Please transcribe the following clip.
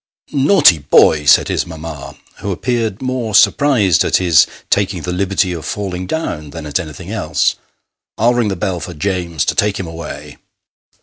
" Naughty boy !" said his mamma, who appeared more surprised at his taking the liberty of falling down, than at anything else ;" I'll ring the bell for James to take him away."